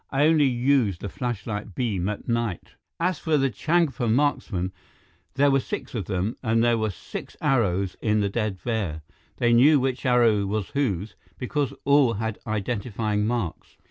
I only use the flashlight beam at night." As for the Changpa marksmen, there were six of them, and there were six arrows in the dead bear. They knew which arrow was whose, because all had identifying marks.